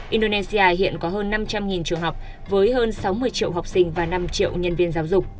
indonesia hiện có hơn năm trăm linh trường học với hơn sáu mươi triệu học sinh và năm triệu nhân viên giáo dục